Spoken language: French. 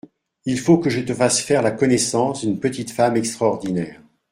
Il faut que je te fasse faire la connaissance d'une petite femme extraordinaire.